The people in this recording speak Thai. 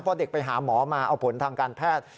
พอเด็กไปหาหมอมาเอาผลทางการแพทย์